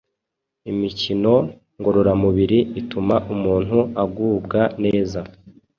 Imikino ngororamubiri ituma umuntu agubwa neza,